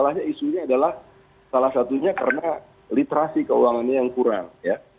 salahnya isunya adalah salah satunya karena literasi keuangannya yang kurang ya